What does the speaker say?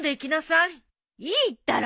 いいったら。